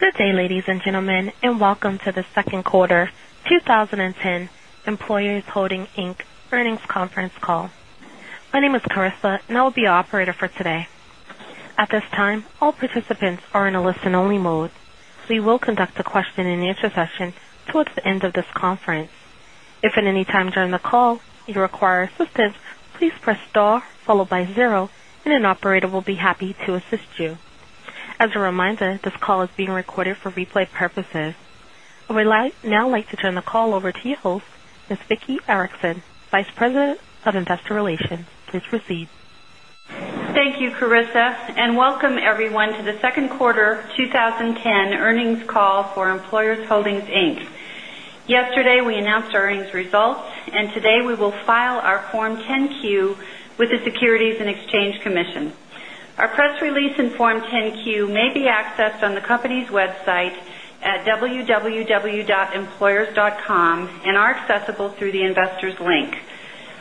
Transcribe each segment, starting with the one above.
Good day, ladies and gentlemen, and welcome to the second quarter 2010 Employers Holdings, Inc. earnings conference call. My name is Carissa, and I will be your operator for today. At this time, all participants are in a listen-only mode. We will conduct a question-and-answer session towards the end of this conference. If at any time during the call you require assistance, please press star followed by zero, and an operator will be happy to assist you. As a reminder, this call is being recorded for replay purposes. I would now like to turn the call over to your host, Ms. Vicki Erickson, Vice President of Investor Relations. Please proceed. Thank you, Carissa, and welcome everyone to the second quarter 2010 earnings call for Employers Holdings, Inc. Yesterday, we announced our earnings results. Today, we will file our Form 10-Q with the Securities and Exchange Commission. Our press release and Form 10-Q may be accessed on the company's website at www.employers.com, and are accessible through the Investors link.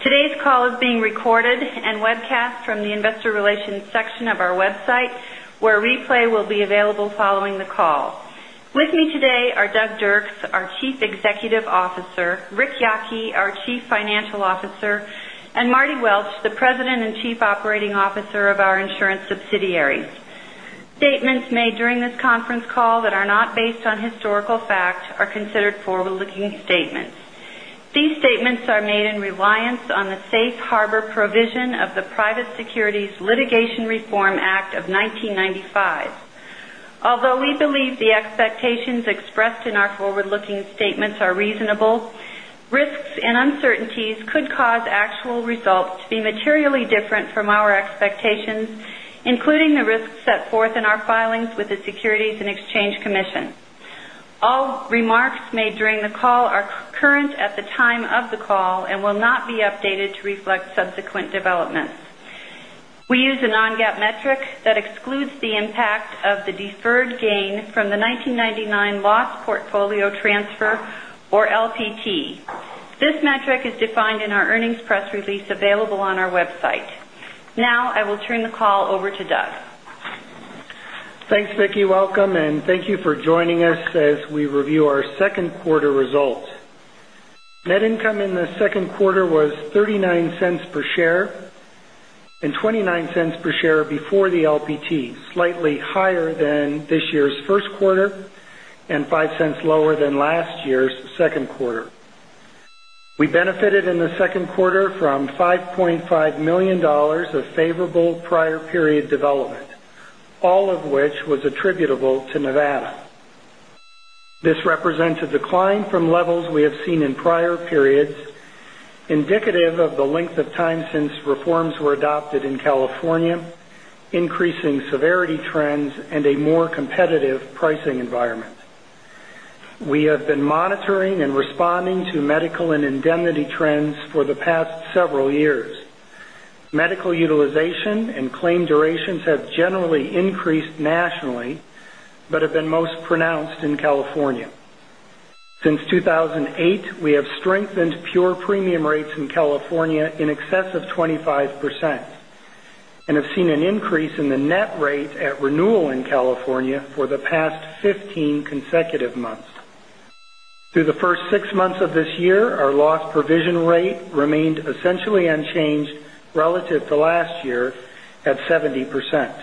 Today's call is being recorded and webcast from the investor relations section of our website, where a replay will be available following the call. With me today are Doug Dirks, our Chief Executive Officer, Ric Yocke, our Chief Financial Officer, and Marty Welch, the President and Chief Operating Officer of our insurance subsidiary. Statements made during this conference call that are not based on historical fact are considered forward-looking statements. These statements are made in reliance on the Safe Harbor provision of the Private Securities Litigation Reform Act of 1995. Although we believe the expectations expressed in our forward-looking statements are reasonable, risks and uncertainties could cause actual results to be materially different from our expectations, including the risks set forth in our filings with the Securities and Exchange Commission. All remarks made during the call are current at the time of the call and will not be updated to reflect subsequent developments. We use a non-GAAP metric that excludes the impact of the deferred gain from the 1999 Loss Portfolio Transfer, or LPT. This metric is defined in our earnings press release available on our website. I will turn the call over to Doug. Thanks, Vicki. Welcome, and thank you for joining us as we review our second quarter results. Net income in the second quarter was $0.39 per share and $0.29 per share before the LPT, slightly higher than this year's first quarter and $0.05 lower than last year's second quarter. We benefited in the second quarter from $5.5 million of favorable prior period development, all of which was attributable to Nevada. This represents a decline from levels we have seen in prior periods, indicative of the length of time since reforms were adopted in California, increasing severity trends, and a more competitive pricing environment. We have been monitoring and responding to medical and indemnity trends for the past several years. Medical utilization and claim durations have generally increased nationally, but have been most pronounced in California. Since 2008, we have strengthened pure premium rates in California in excess of 25% and have seen an increase in the net rate at renewal in California for the past 15 consecutive months. Through the first six months of this year, our loss provision rate remained essentially unchanged relative to last year at 70%.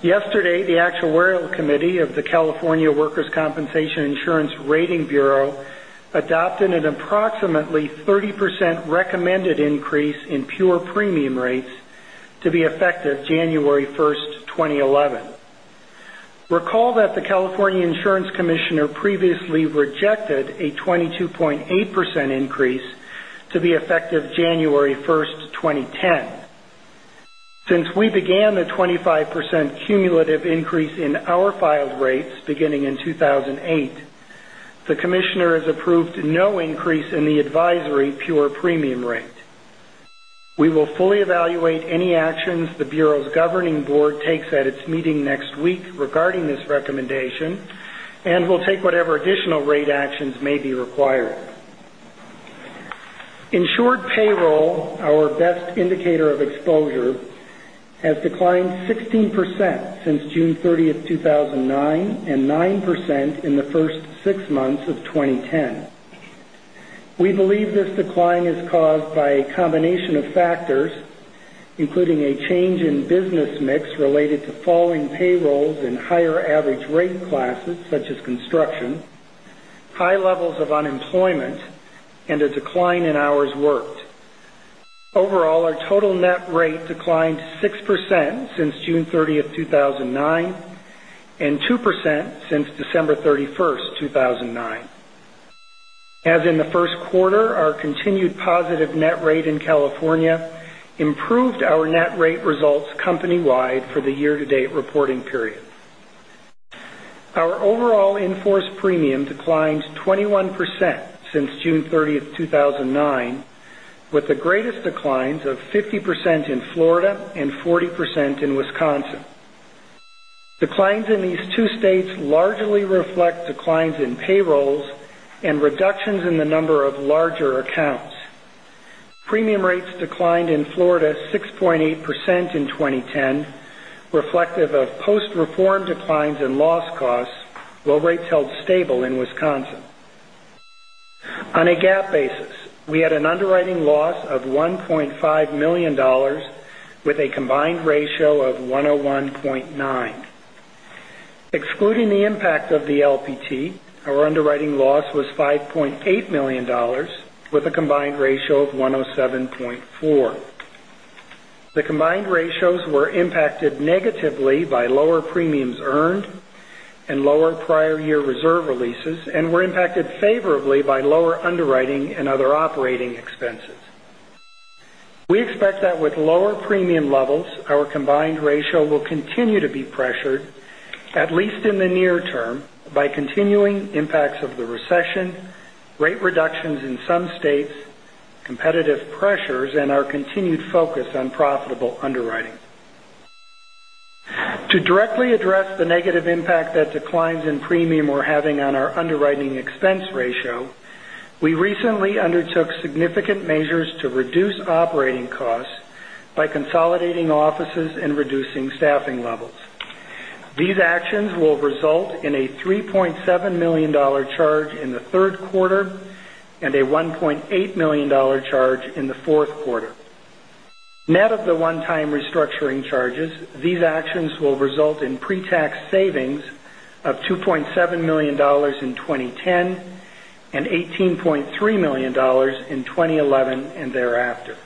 Yesterday, the Actuarial Committee of the California Workers' Compensation Insurance Rating Bureau adopted an approximately 30% recommended increase in pure premium rates to be effective January 1st, 2011. Recall that the California Insurance Commissioner previously rejected a 22.8% increase to be effective January 1st, 2010. Since we began the 25% cumulative increase in our filed rates beginning in 2008, the Commissioner has approved no increase in the advisory pure premium rate. We will fully evaluate any actions the Bureau's governing board takes at its meeting next week regarding this recommendation and will take whatever additional rate actions may be required. Insured payroll, our best indicator of exposure, has declined 16% since June 30th, 2009, and 9% in the first six months of 2010. We believe this decline is caused by a combination of factors, including a change in business mix related to falling payrolls and higher average rate classes such as construction, high levels of unemployment, and a decline in hours worked. Overall, our total net rate declined 6% since June 30th, 2009, and 2% since December 31st, 2009. As in the first quarter, our continued positive net rate in California improved our net rate results company-wide for the year-to-date reporting period. Our overall in-force premium declined 21% since June 30th, 2009, with the greatest declines of 50% in Florida and 40% in Wisconsin. Declines in these two states largely reflect declines in payrolls and reductions in the number of larger accounts. Premium rates declined in Florida 6.8% in 2010, reflective of post-reform declines in loss costs, while rates held stable in Wisconsin. On a GAAP basis, we had an underwriting loss of $1.5 million with a combined ratio of 101.9. Excluding the impact of the LPT, our underwriting loss was $5.8 million with a combined ratio of 107.4. The combined ratios were impacted negatively by lower premiums earned and lower prior year reserve releases and were impacted favorably by lower underwriting and other operating expenses. We expect that with lower premium levels, our combined ratio will continue to be pressured, at least in the near term, by continuing impacts of the recession, rate reductions in some states, competitive pressures, and our continued focus on profitable underwriting. To directly address the negative impact that declines in premium were having on our underwriting expense ratio, we recently undertook significant measures to reduce operating costs by consolidating offices and reducing staffing levels. These actions will result in a $3.7 million charge in the third quarter and a $1.8 million charge in the fourth quarter. Net of the one-time restructuring charges, these actions will result in pre-tax savings of $2.7 million in 2010 and $18.3 million in 2011 and thereafter.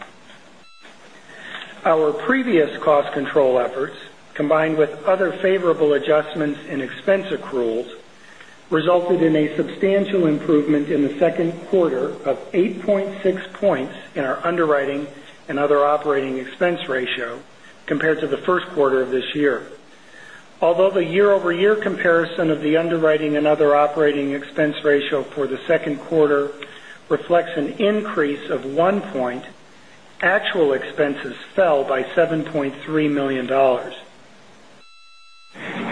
Our previous cost control efforts, combined with other favorable adjustments in expense accruals, resulted in a substantial improvement in the second quarter of 8.6 points in our underwriting and other operating expense ratio compared to the first quarter of this year. Although the year-over-year comparison of the underwriting and other operating expense ratio for the second quarter reflects an increase of one point, actual expenses fell by $7.3 million.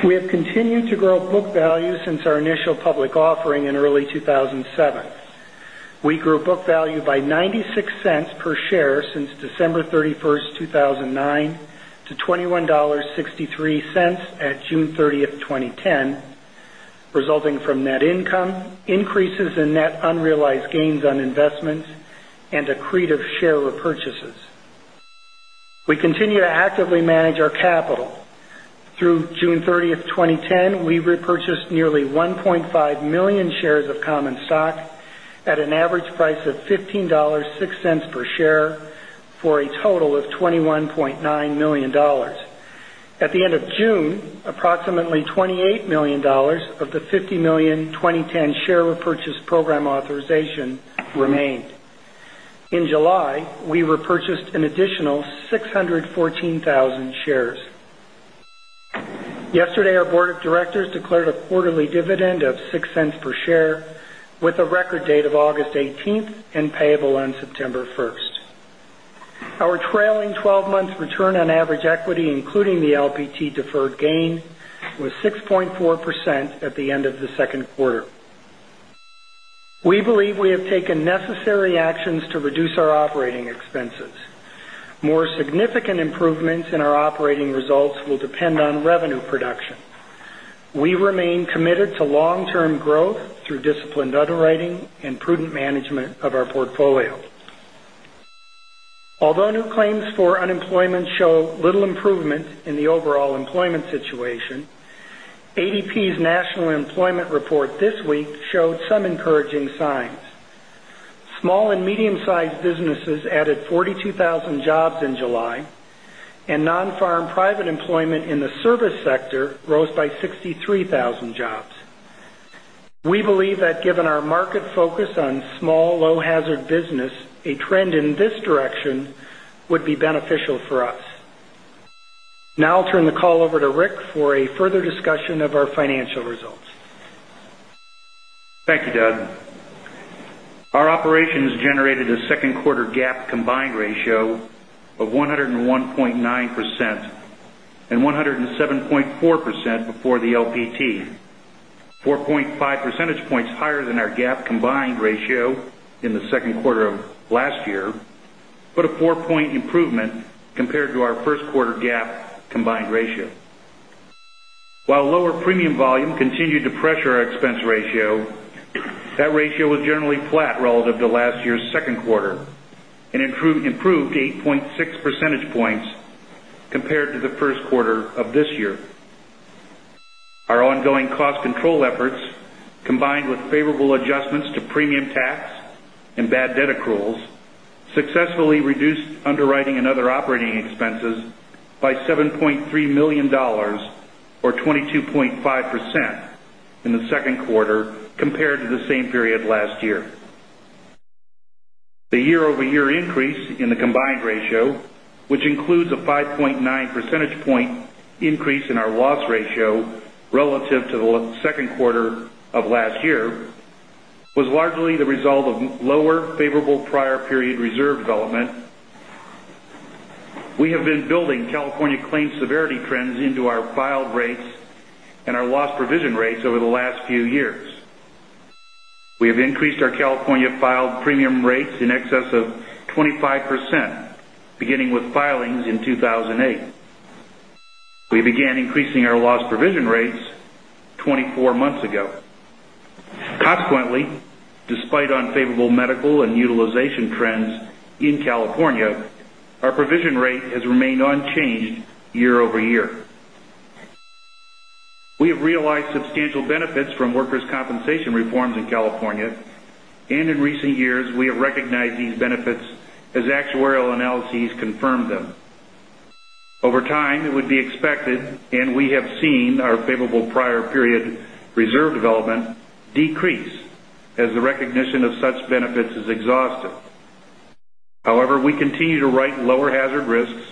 We have continued to grow book value since our initial public offering in early 2007. We grew book value by $0.96 per share since December 31st, 2009 to $21.63 at June 30th, 2010, resulting from net income, increases in net unrealized gains on investments, and accretive share repurchases. We continue to actively manage our capital. Through June 30th, 2010, we repurchased nearly 1.5 million shares of common stock at an average price of $15.06 per share, for a total of $21.9 million. At the end of June, approximately $28 million of the 50 million 2010 share repurchase program authorization remained. In July, we repurchased an additional 614,000 shares. Yesterday, our board of directors declared a quarterly dividend of $0.06 per share with a record date of August 18th and payable on September 1st. Our trailing 12 months return on average equity, including the LPT deferred gain, was 6.4% at the end of the second quarter. We believe we have taken necessary actions to reduce our operating expenses. More significant improvements in our operating results will depend on revenue production. We remain committed to long-term growth through disciplined underwriting and prudent management of our portfolio. Although new claims for unemployment show little improvement in the overall employment situation, ADP's National Employment Report this week showed some encouraging signs. Small and medium-sized businesses added 42,000 jobs in July, and non-farm private employment in the service sector rose by 63,000 jobs. We believe that given our market focus on small, low-hazard business, a trend in this direction would be beneficial for us. Now I'll turn the call over to Rick for a further discussion of our financial results. Thank you, Doug. Our operations generated a second quarter GAAP combined ratio of 101.9% and 107.4% before the LPT, 4.5 percentage points higher than our GAAP combined ratio in the second quarter of last year, but a 4 point improvement compared to our first quarter GAAP combined ratio. While lower premium volume continued to pressure our expense ratio, that ratio was generally flat relative to last year's second quarter and improved 8.6 percentage points compared to the first quarter of this year. Our ongoing cost control efforts, combined with favorable adjustments to premium tax and bad debt accruals, successfully reduced underwriting and other operating expenses by $7.3 million or 22.5% in the second quarter compared to the same period last year. The year-over-year increase in the combined ratio, which includes a 5.9 percentage point increase in our loss ratio relative to the second quarter of last year, was largely the result of lower favorable prior period reserve development. We have been building California claim severity trends into our filed rates and our loss provision rates over the last few years. We have increased our California filed premium rates in excess of 25%, beginning with filings in 2008. We began increasing our loss provision rates 24 months ago. Consequently, despite unfavorable medical and utilization trends in California, our provision rate has remained unchanged year-over-year. We have realized substantial benefits from workers' compensation reforms in California, and in recent years, we have recognized these benefits as actuarial analyses confirm them. Over time, it would be expected, and we have seen our favorable prior period reserve development decrease as the recognition of such benefits is exhausted. However, we continue to write lower hazard risks,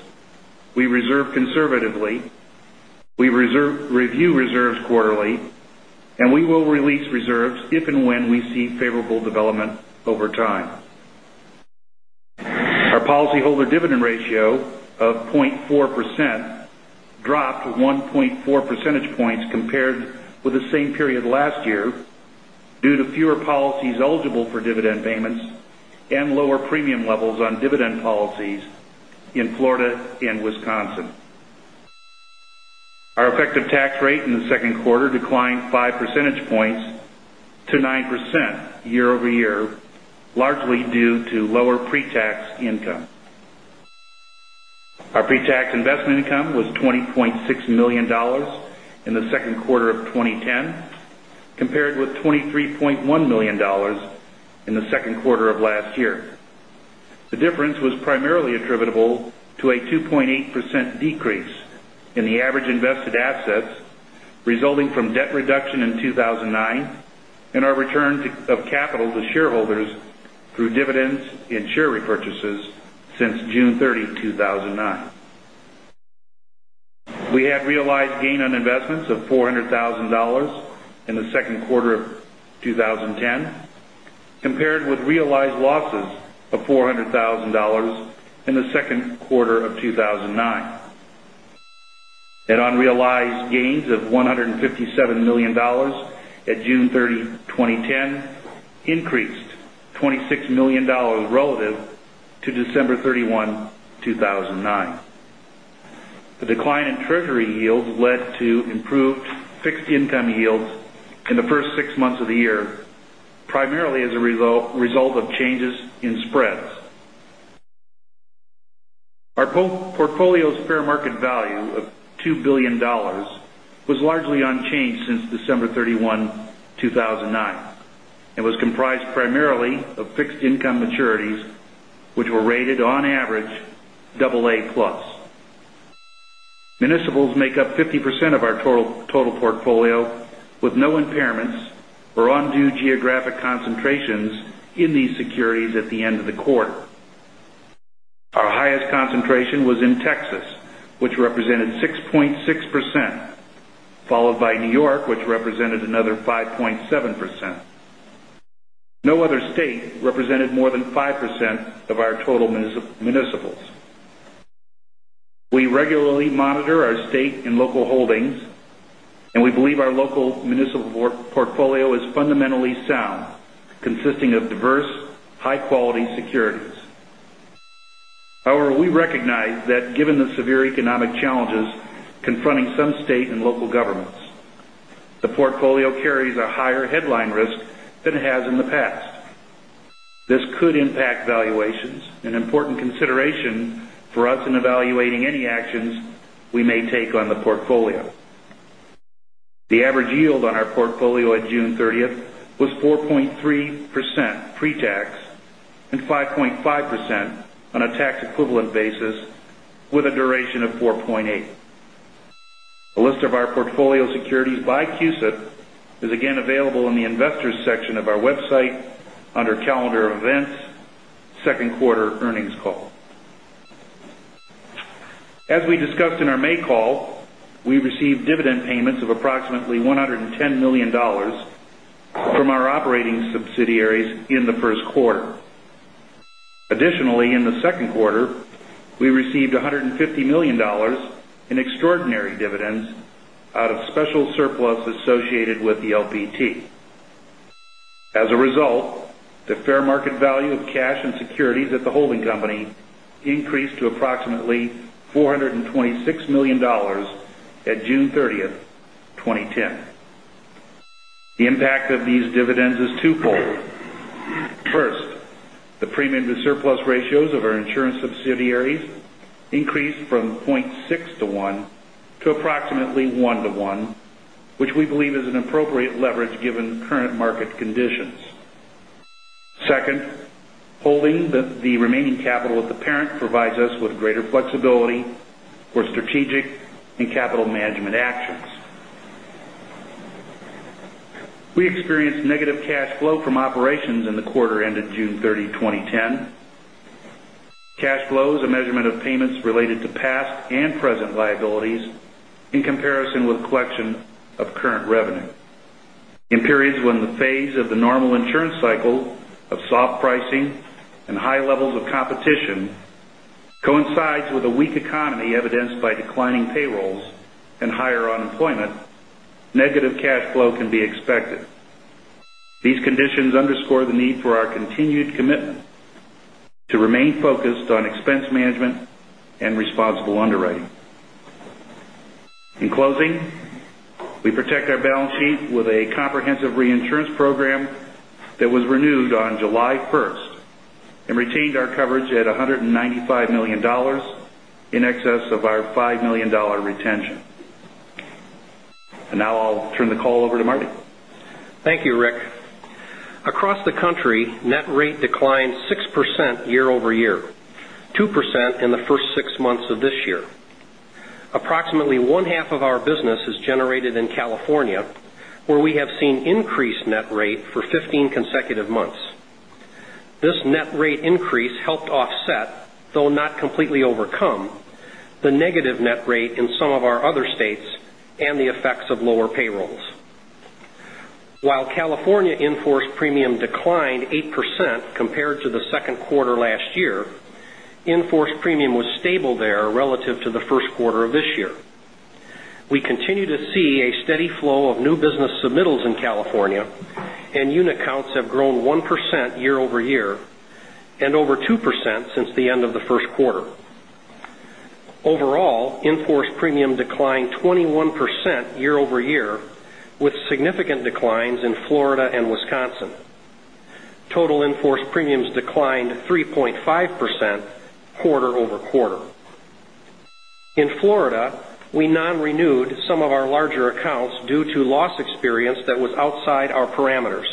we reserve conservatively, we review reserves quarterly, and we will release reserves if and when we see favorable development over time. Our policyholder dividend ratio of 0.4% dropped 1.4 percentage points compared with the same period last year due to fewer policies eligible for dividend payments and lower premium levels on dividend policies in Florida and Wisconsin. Our effective tax rate in the second quarter declined 5 percentage points to 9% year-over-year, largely due to lower pre-tax income. Our pre-tax investment income was $20.6 million in the second quarter of 2010, compared with $23.1 million in the second quarter of last year. The difference was primarily attributable to a 2.8% decrease in the average invested assets resulting from debt reduction in 2009 and our return of capital to shareholders through dividends and share repurchases since June 30, 2009. We had realized gain on investments of $400,000 in the second quarter of 2010, compared with realized losses of $400,000 in the second quarter of 2009. Net unrealized gains of $157 million at June 30, 2010 increased $26 million relative to December 31, 2009. The decline in Treasury yields led to improved fixed income yields in the first 6 months of the year, primarily as a result of changes in spreads. Our portfolio's fair market value of $2 billion was largely unchanged since December 31, 2009, and was comprised primarily of fixed income maturities, which were rated on average double A plus. Municipals make up 50% of our total portfolio, with no impairments or undue geographic concentrations in these securities at the end of the quarter. Our highest concentration was in Texas, which represented 6.6%, followed by New York, which represented another 5.7%. No other state represented more than 5% of our total municipals. We regularly monitor our state and local holdings, and we believe our local municipal portfolio is fundamentally sound, consisting of diverse, high-quality securities. However, we recognize that given the severe economic challenges confronting some state and local governments, the portfolio carries a higher headline risk than it has in the past. This could impact valuations, an important consideration for us in evaluating any actions we may take on the portfolio. The average yield on our portfolio at June 30th was 4.3% pre-tax and 5.5% on a tax equivalent basis with a duration of 4.8. A list of our portfolio securities by CUSIP is again available in the investors section of our website under Calendar of Events, Second Quarter Earnings Call. As we discussed in our May call, we received dividend payments of approximately $110 million from our operating subsidiaries in the first quarter. Additionally, in the second quarter, we received $150 million in extraordinary dividends out of special surplus associated with the LPT. As a result, the fair market value of cash and securities at the holding company increased to approximately $426 million at June 30th, 2010. The impact of these dividends is twofold. First, the premium to surplus ratio of our insurance subsidiaries increased from 0.6 to one to approximately one to one, which we believe is an appropriate leverage given current market conditions. Second, holding the remaining capital at the parent provides us with greater flexibility for strategic and capital management actions. We experienced negative cash flow from operations in the quarter ended June 30, 2010. Cash flow is a measurement of payments related to past and present liabilities in comparison with collection of current revenue. In periods when the phase of the normal insurance cycle of soft pricing and high levels of competition coincides with a weak economy evidenced by declining payrolls and higher unemployment, negative cash flow can be expected. These conditions underscore the need for our continued commitment to remain focused on expense management and responsible underwriting. In closing, we protect our balance sheet with a comprehensive reinsurance program that was renewed on July 1st and retained our coverage at $195 million in excess of our $5 million retention. Now I'll turn the call over to Marty. Thank you, Rick. Across the country, net rate declined 6% year-over-year, 2% in the first six months of this year. Approximately one-half of our business is generated in California, where we have seen increased net rate for 15 consecutive months. This net rate increase helped offset, though not completely overcome, the negative net rate in some of our other states and the effects of lower payrolls. While California in-force premium declined 8% compared to the second quarter last year, in-force premium was stable there relative to the first quarter of this year. We continue to see a steady flow of new business submittals in California, and unit counts have grown 1% year-over-year and over 2% since the end of the first quarter. Overall, in-force premium declined 21% year-over-year, with significant declines in Florida and Wisconsin. Total in-force premiums declined 3.5% quarter-over-quarter. In Florida, we non-renewed some of our larger accounts due to loss experience that was outside our parameters.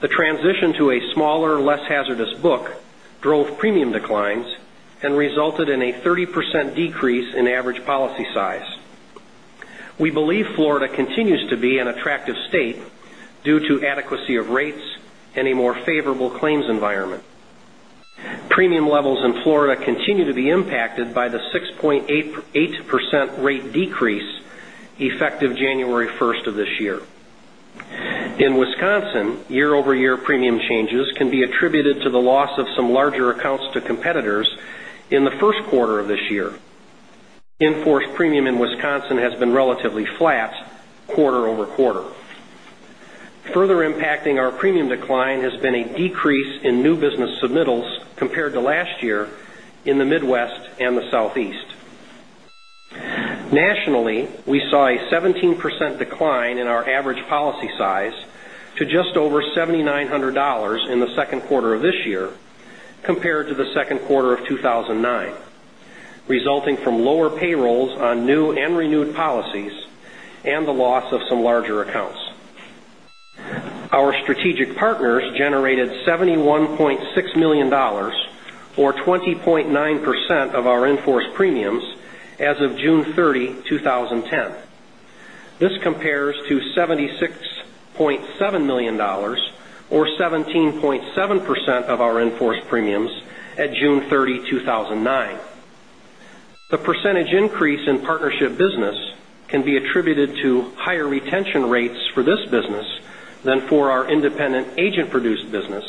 The transition to a smaller, less hazardous book drove premium declines and resulted in a 30% decrease in average policy size. We believe Florida continues to be an attractive state due to adequacy of rates and a more favorable claims environment. Premium levels in Florida continue to be impacted by the 6.8% rate decrease effective January 1st of this year. In Wisconsin, year-over-year premium changes can be attributed to the loss of some larger accounts to competitors in the first quarter of this year. In-force premium in Wisconsin has been relatively flat quarter-over-quarter. Further impacting our premium decline has been a decrease in new business submittals compared to last year in the Midwest and the Southeast. Nationally, we saw a 17% decline in our average policy size to just over $7,900 in the second quarter of this year compared to the second quarter of 2009, resulting from lower payrolls on new and renewed policies and the loss of some larger accounts. Our strategic partners generated $71.6 million or 20.9% of our in-force premiums as of June 30, 2010. This compares to $76.7 million or 17.7% of our in-force premiums at June 30, 2009. The percentage increase in partnership business can be attributed to higher retention rates for this business than for our independent agent-produced business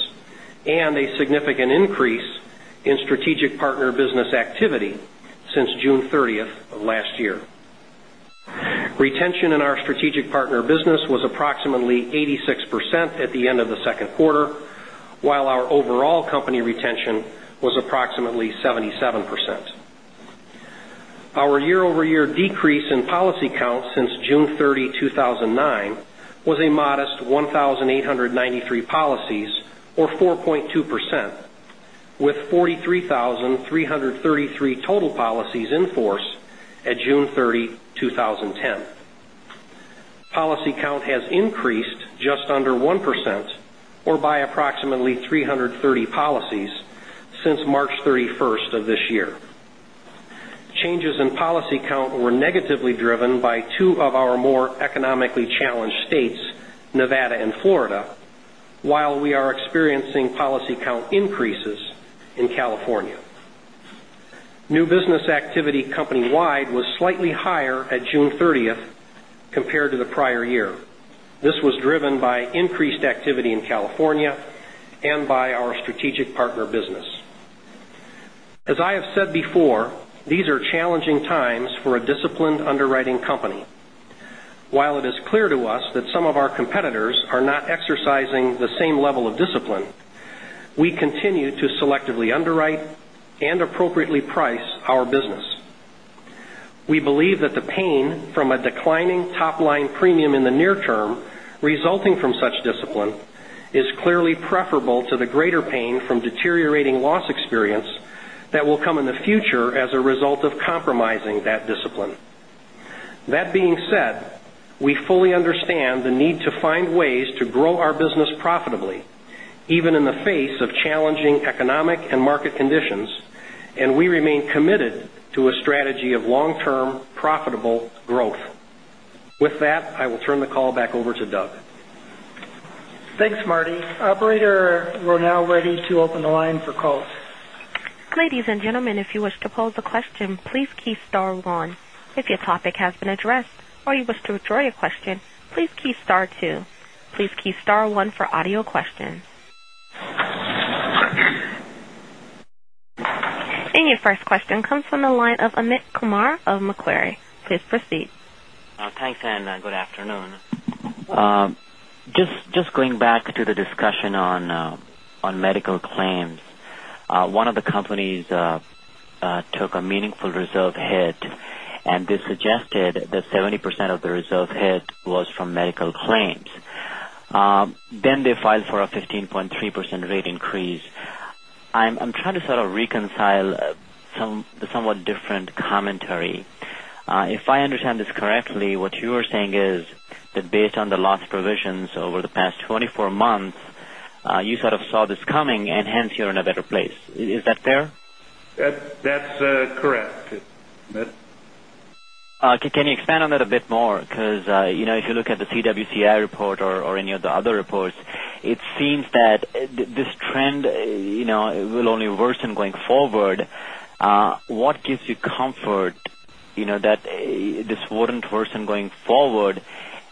and a significant increase in strategic partner business activity since June 30th of last year. Retention in our strategic partner business was approximately 86% at the end of the second quarter, while our overall company retention was approximately 77%. Our year-over-year decrease in policy count since June 30, 2009, was a modest 1,893 policies or 4.2%, with 43,333 total policies in force at June 30, 2010. Policy count has increased just under 1%, or by approximately 330 policies since March 31st of this year. Changes in policy count were negatively driven by two of our more economically challenged states, Nevada and Florida, while we are experiencing policy count increases in California. New business activity company-wide was slightly higher at June 30th compared to the prior year. This was driven by increased activity in California and by our strategic partner business. As I have said before, these are challenging times for a disciplined underwriting company. While it is clear to us that some of our competitors are not exercising the same level of discipline, we continue to selectively underwrite and appropriately price our business. We believe that the pain from a declining top-line premium in the near term resulting from such discipline is clearly preferable to the greater pain from deteriorating loss experience that will come in the future as a result of compromising that discipline. That being said, we fully understand the need to find ways to grow our business profitably, even in the face of challenging economic and market conditions, and we remain committed to a strategy of long-term profitable growth. With that, I will turn the call back over to Doug. Thanks, Marty. Operator, we're now ready to open the line for calls. Ladies and gentlemen, if you wish to pose a question, please key star one. If your topic has been addressed or you wish to withdraw your question, please key star two. Please key star one for audio questions. Your first question comes from the line of Amit Kumar of Macquarie. Please proceed. Thanks, good afternoon. Just going back to the discussion on medical claims. One of the companies took a meaningful reserve hit, and they suggested that 70% of the reserve hit was from medical claims. They filed for a 15.3% rate increase. I'm trying to sort of reconcile the somewhat different commentary. If I understand this correctly, what you are saying is that based on the loss provisions over the past 24 months, you sort of saw this coming, and hence you're in a better place. Is that fair? That's correct. Amit? Can you expand on that a bit more? If you look at the CWCI report or any of the other reports, it seems that this trend will only worsen going forward. What gives you comfort that this wouldn't worsen going forward,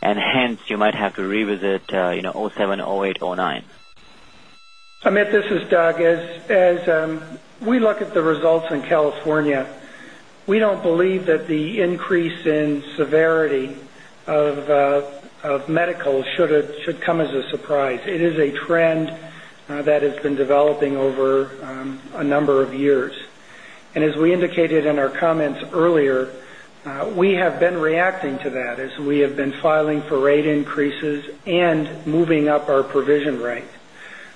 and hence you might have to revisit 2007, 2008, 2009? Amit, this is Doug. As we look at the results in California, we don't believe that the increase in severity of medical should come as a surprise. It is a trend that has been developing over a number of years. As we indicated in our comments earlier, we have been reacting to that as we have been filing for rate increases and moving up our provision rate.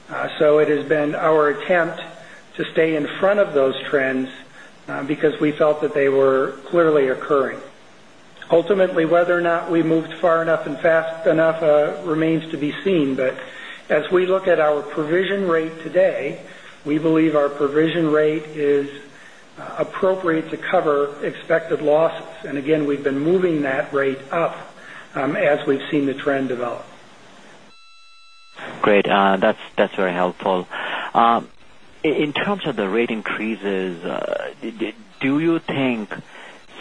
It has been our attempt to stay in front of those trends because we felt that they were clearly occurring. Ultimately, whether or not we moved far enough and fast enough remains to be seen. As we look at our provision rate today, we believe our provision rate is appropriate to cover expected losses. Again, we've been moving that rate up as we've seen the trend develop. Great. That's very helpful. In terms of the rate increases, do you think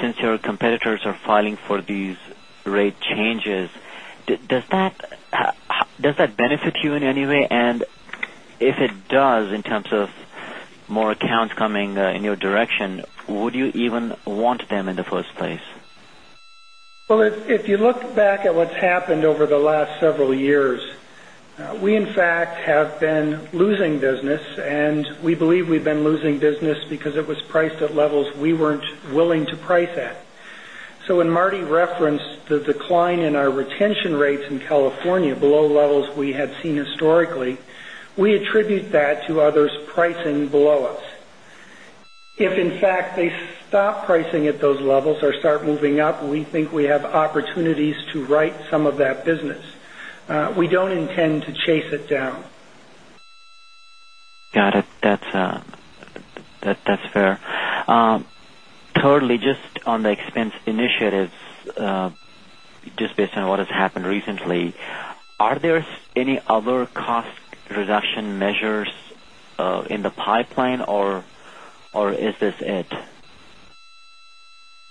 since your competitors are filing for these rate changes, does that benefit you in any way? If it does, in terms of more accounts coming in your direction, would you even want them in the first place? If you look back at what's happened over the last several years, we in fact have been losing business, and we believe we've been losing business because it was priced at levels we weren't willing to price at. When Marty referenced the decline in our retention rates in California below levels we had seen historically, we attribute that to others pricing below us. If, in fact, they stop pricing at those levels or start moving up, we think we have opportunities to right some of that business. We don't intend to chase it down. Got it. That's fair. Thirdly, just on the expense initiatives, just based on what has happened recently, are there any other cost reduction measures in the pipeline, or is this it?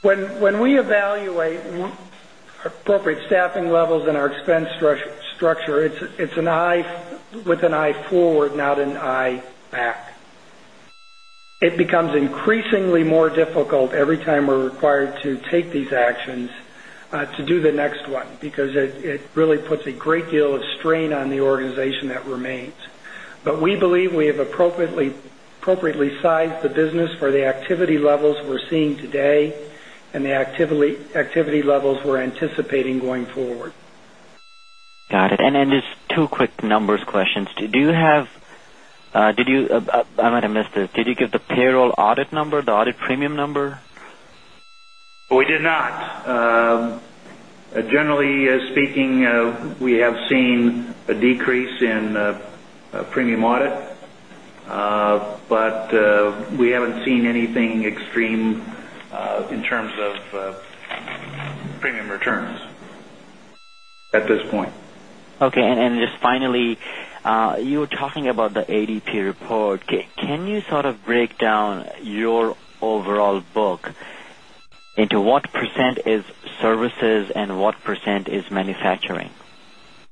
When we evaluate appropriate staffing levels in our expense structure, it's with an eye forward, not an eye back. It becomes increasingly more difficult every time we're required to take these actions to do the next one because it really puts a great deal of strain on the organization that remains. We believe we have appropriately sized the business for the activity levels we're seeing today and the activity levels we're anticipating going forward. Got it. Just two quick numbers questions. I might have missed it. Did you give the payroll audit number, the audit premium number? We did not. Generally speaking, we have seen a decrease in premium audit. We haven't seen anything extreme in terms of premium returns at this point. Okay. Just finally, you were talking about the ADP report. Can you sort of break down your overall book into what % is services and what % is manufacturing?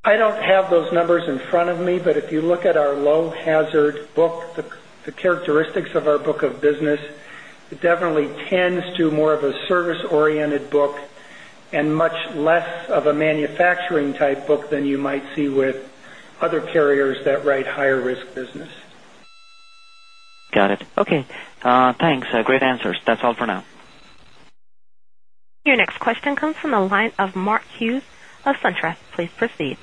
I don't have those numbers in front of me. If you look at our low hazard book, the characteristics of our book of business definitely tends to more of a service-oriented book and much less of a manufacturing-type book than you might see with other carriers that write higher risk business. Got it. Okay. Thanks. Great answers. That's all for now. Your next question comes from the line of Mark Hughes of SunTrust. Please proceed.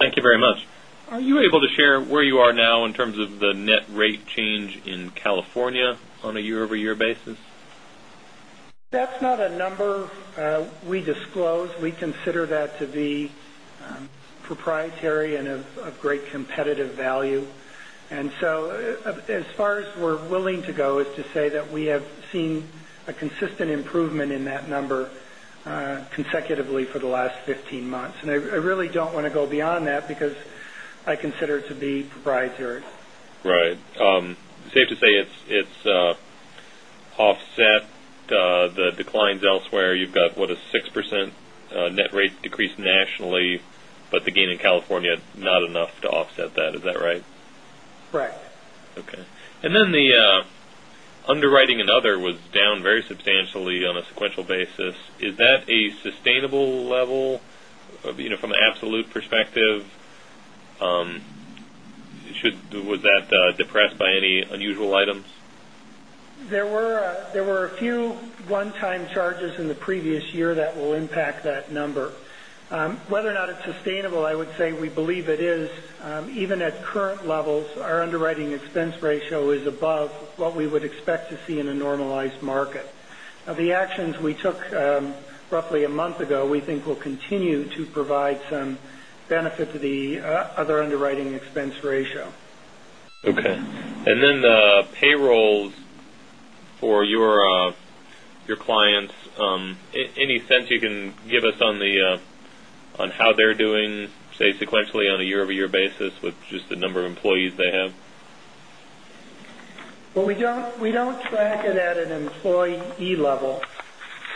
Thank you very much. Are you able to share where you are now in terms of the net rate change in California on a year-over-year basis? That's not a number we disclose. We consider that to be proprietary and of great competitive value As far as we're willing to go is to say that we have seen a consistent improvement in that number consecutively for the last 15 months. I really don't want to go beyond that because I consider it to be proprietary. Right. Safe to say it's offset the declines elsewhere. You've got, what, a 6% net rate decrease nationally, but the gain in California, not enough to offset that. Is that right? Correct. Okay. Then the underwriting and other was down very substantially on a sequential basis. Is that a sustainable level from an absolute perspective? Was that depressed by any unusual items? There were a few one-time charges in the previous year that will impact that number. Whether or not it's sustainable, I would say we believe it is. Even at current levels, our underwriting expense ratio is above what we would expect to see in a normalized market. The actions we took roughly a month ago, we think will continue to provide some benefit to the other underwriting expense ratio. Okay. The payrolls for your clients, any sense you can give us on how they're doing, say, sequentially on a year-over-year basis with just the number of employees they have? Well, we don't track it at an employee level,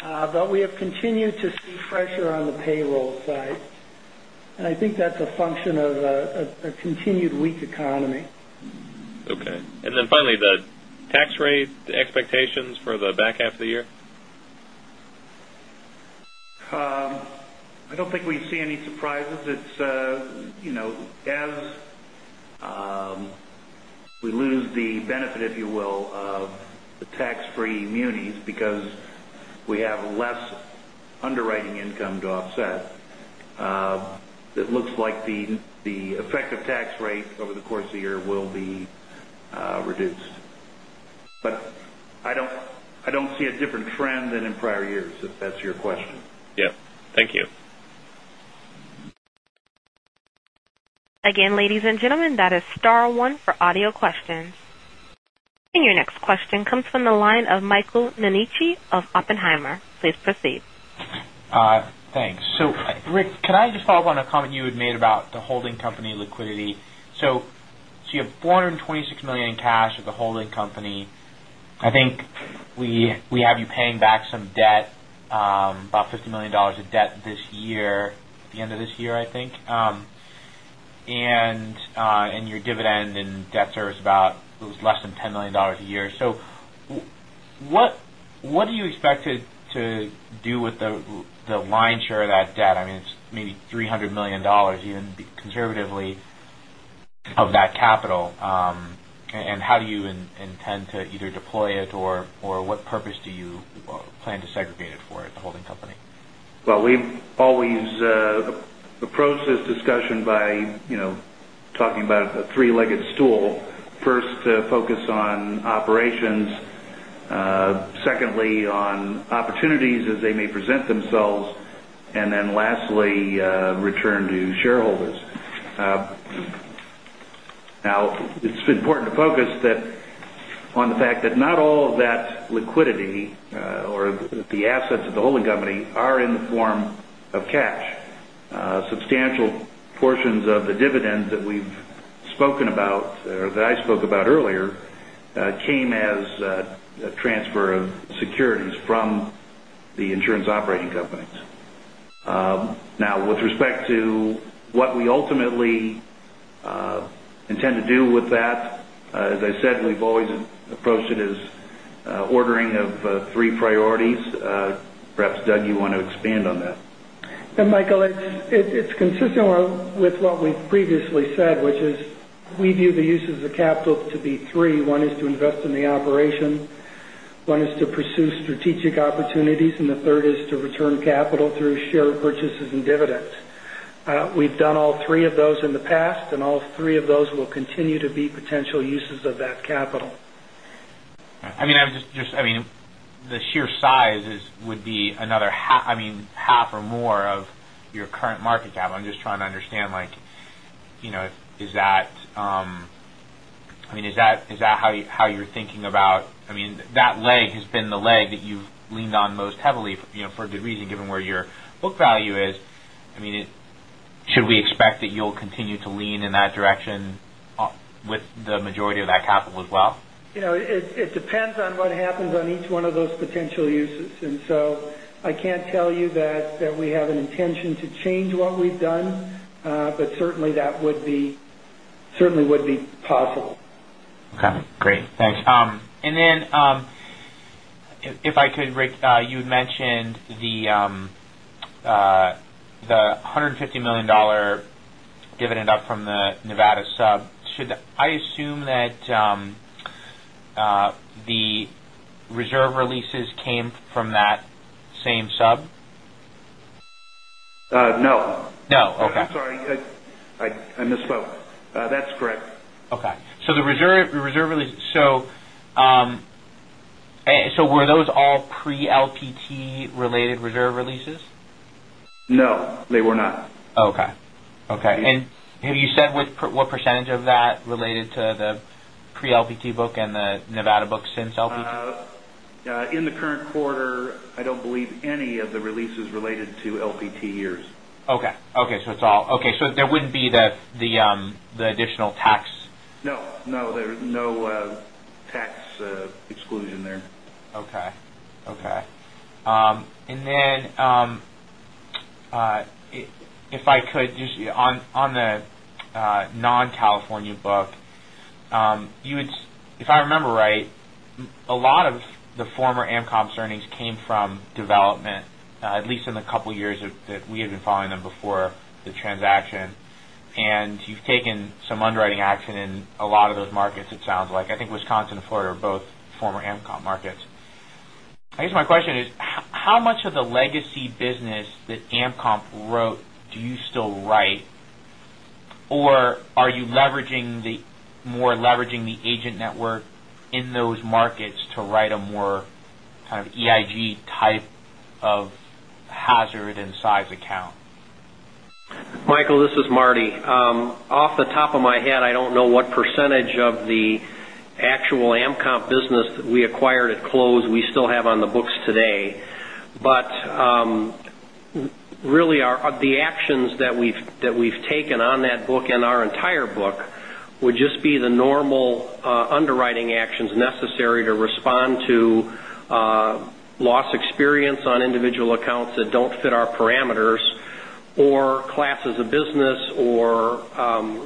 but we have continued to see pressure on the payroll side. I think that's a function of a continued weak economy. Okay. Finally, the tax rate expectations for the back half of the year? I don't think we see any surprises. As we lose the benefit, if you will, of the tax-free munis because we have less underwriting income to offset. It looks like the effective tax rate over the course of the year will be reduced. I don't see a different trend than in prior years, if that's your question. Yeah. Thank you. Again, ladies and gentlemen, that is star one for audio questions. Your next question comes from the line of Michael Nitt of Oppenheimer. Please proceed. Thanks. Rick, can I just follow up on a comment you had made about the holding company liquidity? You have $426 million in cash at the holding company. I think we have you paying back some debt, about $50 million of debt this year, at the end of this year, I think. Your dividend and debt serves about less than $10 million a year. What do you expect to do with the lion's share of that debt? It's maybe $300 million, even conservatively of that capital. How do you intend to either deploy it or what purpose do you plan to segregate it for at the holding company? Well, we've always approached this discussion by talking about a three-legged stool. First, to focus on operations. Secondly on opportunities as they may present themselves. Lastly, return to shareholders. It's important to focus on the fact that not all of that liquidity or the assets of the holding company are in the form of cash. Substantial portions of the dividends that we've spoken about, or that I spoke about earlier, came as a transfer of securities from the insurance operating companies. With respect to what we ultimately intend to do with that, as I said, we've always approached it as ordering of three priorities. Perhaps, Doug, you want to expand on that. Michael, it's consistent with what we've previously said, which is we view the uses of capital to be three. One is to invest in the operation, one is to pursue strategic opportunities, and the third is to return capital through share purchases and dividends. We've done all three of those in the past, all three of those will continue to be potential uses of that capital. The sheer size would be half or more of your current market cap. I'm just trying to understand, is that how you're thinking about? That leg has been the leg that you've leaned on most heavily, for a good reason, given where your book value is. Should we expect that you'll continue to lean in that direction with the majority of that capital as well? It depends on what happens on each one of those potential uses. I can't tell you that we have an intention to change what we've done. Certainly, that would be possible. Okay, great. Thanks. If I could, Rick, you had mentioned the $150 million dividend up from the Nevada sub. Should I assume that the reserve releases came from that same sub? No. No. Okay. I'm sorry. I misspoke. That's correct. Okay. When Pre-LPT related reserve releases? No, they were not. Okay. Have you said what % of that related to the pre-LPT book and the Nevada book since LPT? In the current quarter, I don't believe any of the releases related to LPT years. Okay. There wouldn't be the additional tax? No. There's no tax exclusion there. Okay. Then, if I could, just on the non-California book, if I remember right, a lot of the former AmCOMP's earnings came from development, at least in the couple years that we had been following them before the transaction. You've taken some underwriting action in a lot of those markets, it sounds like. I think Wisconsin and Florida are both former AmCOMP markets. I guess my question is, how much of the legacy business that AmCOMP wrote do you still write? Are you more leveraging the agent network in those markets to write a more kind of EIG type of hazard and size account? Michael, this is Marty. Off the top of my head, I don't know what percentage of the actual AmCOMP business that we acquired at close we still have on the books today. Really, the actions that we've taken on that book and our entire book would just be the normal underwriting actions necessary to respond to loss experience on individual accounts that don't fit our parameters, or classes of business or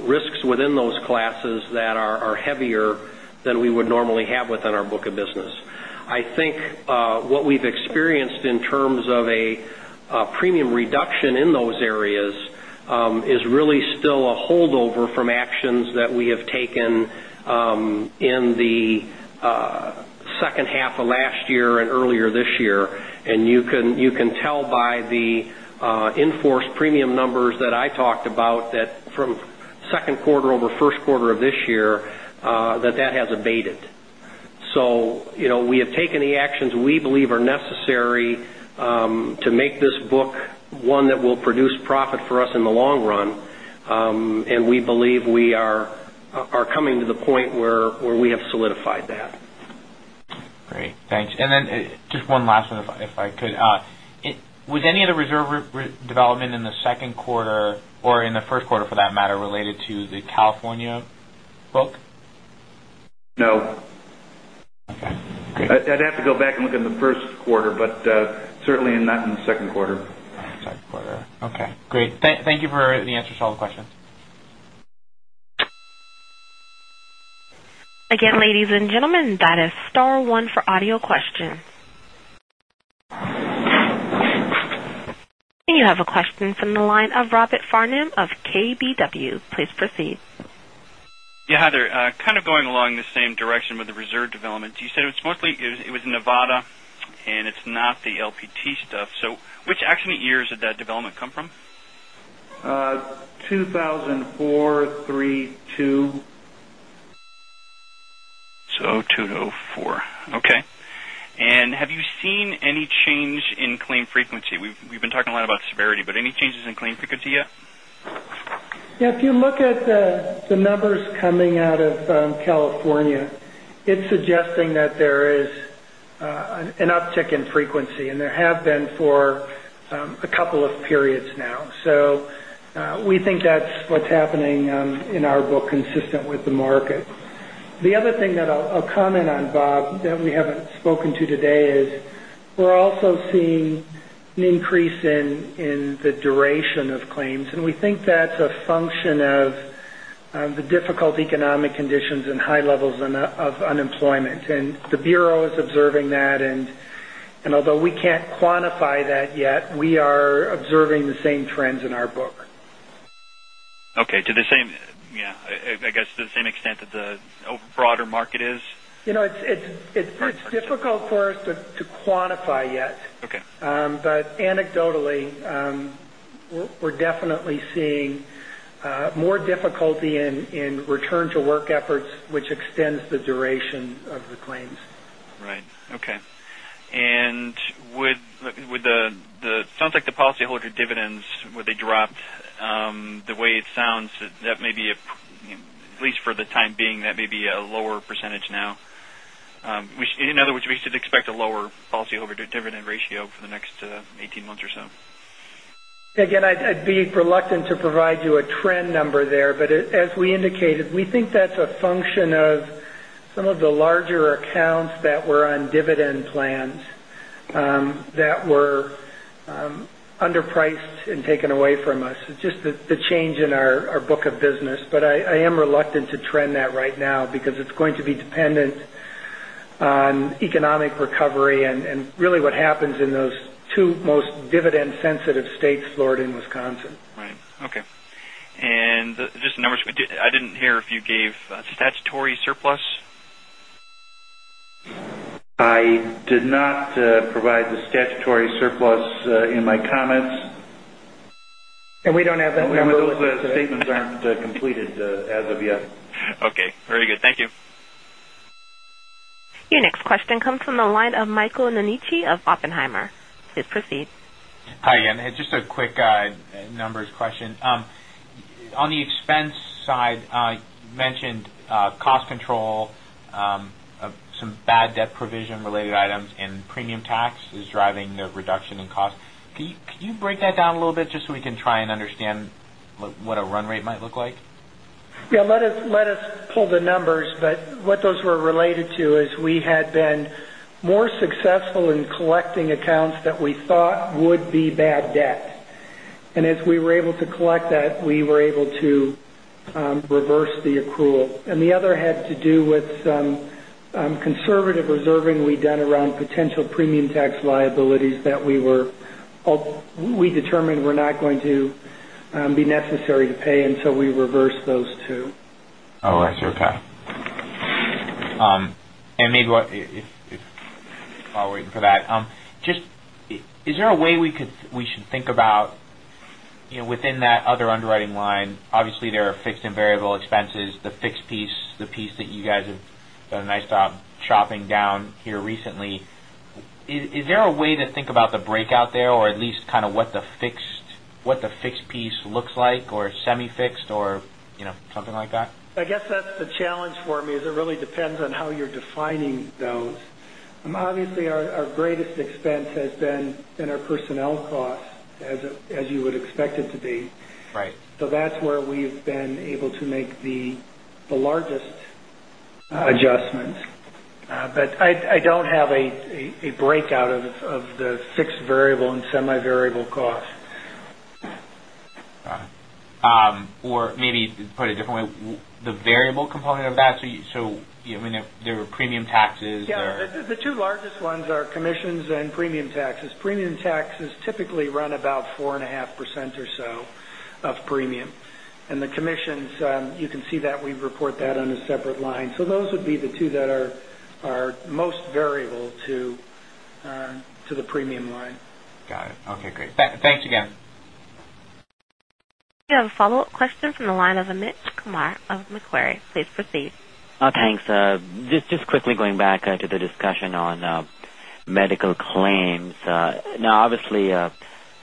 risks within those classes that are heavier than we would normally have within our book of business. I think what we've experienced in terms of a premium reduction in those areas is really still a holdover from actions that we have taken in the second half of last year and earlier this year. You can tell by the in-force premium numbers that I talked about, that from second quarter over first quarter of this year, that that has abated. We have taken the actions we believe are necessary to make this book one that will produce profit for us in the long run. We believe we are coming to the point where we have solidified that. Great, thanks. Just one last one, if I could. Was any of the reserve development in the second quarter or in the first quarter, for that matter, related to the California book? No. Okay, great. I'd have to go back and look in the first quarter, but certainly not in the second quarter. Second quarter. Okay, great. Thank you for the answers to all the questions. Ladies and gentlemen, that is star one for audio questions. You have a question from the line of Robert Farnum of KBW. Please proceed. Yeah, Heather, kind of going along the same direction with the reserve development. You said it was Nevada and it's not the LPT stuff. Which accident years did that development come from? 2004, 2003, 2002. '02 to '04. Okay. Have you seen any change in claim frequency? We've been talking a lot about severity, any changes in claim frequency yet? If you look at the numbers coming out of California, it's suggesting that there is an uptick in frequency, and there have been for a couple of periods now. We think that's what's happening in our book consistent with the market. The other thing that I'll comment on, Bob, that we haven't spoken to today is we're also seeing an increase in the duration of claims, and we think that's a function of the difficult economic conditions and high levels of unemployment. The Bureau is observing that. Although we can't quantify that yet, we are observing the same trends in our book. Okay. To the same extent that the broader market is? It's difficult for us to quantify yet. Okay. Anecdotally, we're definitely seeing more difficulty in return to work efforts, which extends the duration of the claims. Right. Okay. It sounds like the policyholder dividends, where they dropped, the way it sounds, at least for the time being, that may be a lower percentage now. In other words, we should expect a lower policyholder dividend ratio for the next 18 months or so. Again, I'd be reluctant to provide you a trend number there. As we indicated, we think that's a function of some of the larger accounts that were on dividend plans, that were underpriced and taken away from us. It's just the change in our book of business. I am reluctant to trend that right now because it's going to be dependent on economic recovery and really what happens in those two most dividend-sensitive states, Florida and Wisconsin. Right. Okay. Just the numbers, I didn't hear if you gave statutory surplus. I did not provide the statutory surplus in my comments. We don't have that number with us today. Those statements aren't completed as of yet. Okay, very good. Thank you. Your next question comes from the line of Michael Nitt of Oppenheimer. Please proceed. Hi again. Just a quick numbers question. On the expense side, you mentioned cost control of some bad debt provision related items and premium tax is driving the reduction in cost. Can you break that down a little bit just so we can try and understand what a run rate might look like? Yeah, let us pull the numbers. What those were related to is we had been more successful in collecting accounts that we thought would be bad debt. As we were able to collect that, we were able to reverse the accrual. The other had to do with some conservative reserving we'd done around potential premium tax liabilities that we determined were not going to be necessary to pay, and so we reversed those two. All right. Okay. Maybe while waiting for that, is there a way we should think about within that other underwriting line, obviously there are fixed and variable expenses, the fixed piece, the piece that you guys have done a nice job chopping down here recently. Is there a way to think about the breakout there or at least what the fixed piece looks like or semi-fixed or something like that? I guess that's the challenge for me, is it really depends on how you're defining those. Obviously, our greatest expense has been in our personnel costs, as you would expect it to be. Right. That's where we've been able to make the largest adjustments. I don't have a breakout of the fixed variable and semi-variable costs. Got it. Maybe to put it a different way, the variable component of that, there were premium taxes or- Yeah. The two largest ones are commissions and premium taxes. Premium taxes typically run about 4.5% or so of premium. The commissions, you can see that we report that on a separate line. Those would be the two that are most variable to the premium line. Got it. Okay, great. Thanks again. We have a follow-up question from the line of Amit Kumar of Macquarie. Please proceed. Thanks. Just quickly going back to the discussion on medical claims. Obviously, the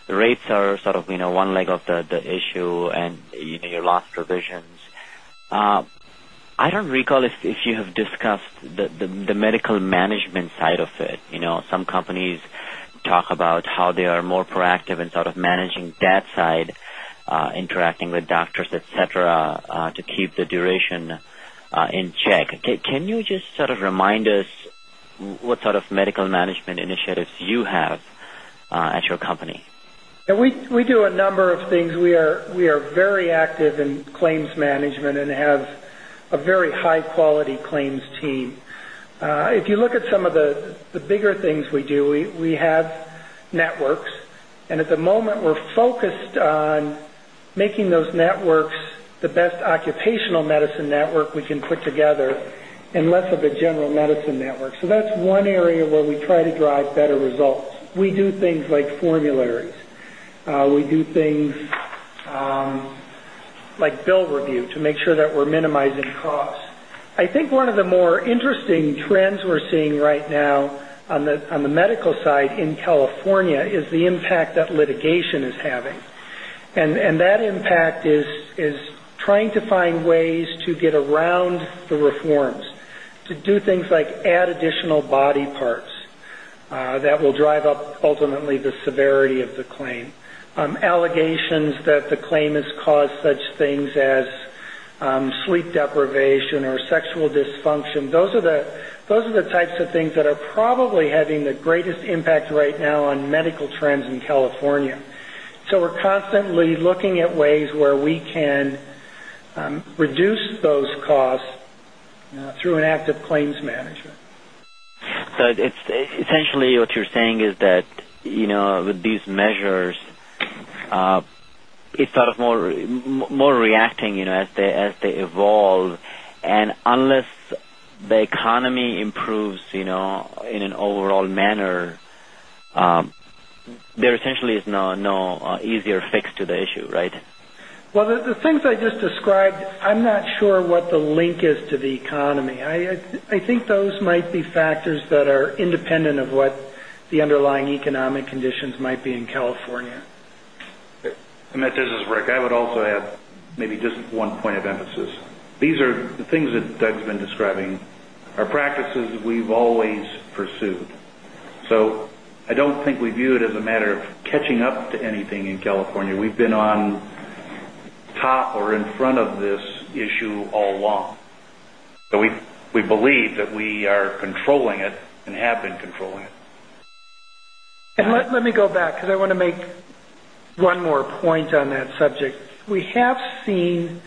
rates are sort of one leg of the issue and your loss provisions. I don't recall if you have discussed the medical management side of it. Some companies talk about how they are more proactive in sort of managing that side, interacting with doctors, et cetera, to keep the duration in check. Can you just sort of remind us what sort of medical management initiatives you have at your company? Yeah, we do a number of things. We are very active in claims management and have a very high-quality claims team. If you look at some of the bigger things we do, we have networks. At the moment, we're focused on making those networks the best occupational medicine network we can put together and less of a general medicine network. That's one area where we try to drive better results. We do things like formularies. We do things like bill review to make sure that we're minimizing costs. I think one of the more interesting trends we're seeing right now on the medical side in California is the impact that litigation is having. That impact is trying to find ways to get around the reforms to do things like add additional body parts that will drive up ultimately the severity of the claim. Allegations that the claim has caused such things as sleep deprivation or sexual dysfunction. Those are the types of things that are probably having the greatest impact right now on medical trends in California. We're constantly looking at ways where we can reduce those costs through an active claims management. Essentially what you're saying is that with these measures, it's sort of more reacting as they evolve. Unless the economy improves in an overall manner, there essentially is no easier fix to the issue, right? Well, the things I just described, I'm not sure what the link is to the economy. I think those might be factors that are independent of what the underlying economic conditions might be in California. Amit, this is Ric. I would also add maybe just one point of emphasis. These are the things that Doug's been describing are practices we've always pursued. I don't think we view it as a matter of catching up to anything in California. We've been on top or in front of this issue all along. We believe that we are controlling it and have been controlling it. Let me go back because I want to make one more point on that subject. We have seen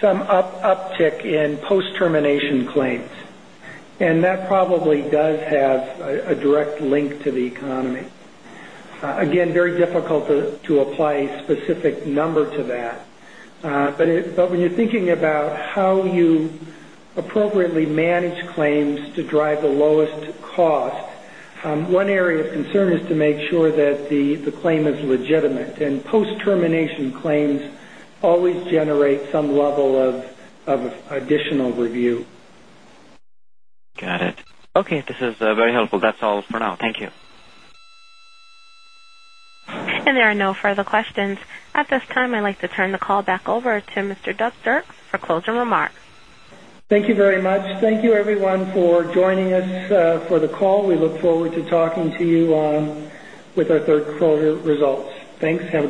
some uptick in post-termination claims, and that probably does have a direct link to the economy. Again, very difficult to apply a specific number to that. When you're thinking about how you appropriately manage claims to drive the lowest cost, one area of concern is to make sure that the claim is legitimate. Post-termination claims always generate some level of additional review. Got it. Okay, this is very helpful. That's all for now. Thank you. There are no further questions. At this time, I'd like to turn the call back over to Mr. Doug Dirks for closing remarks. Thank you very much. Thank you everyone for joining us for the call. We look forward to talking to you with our third quarter results. Thanks. Have a great day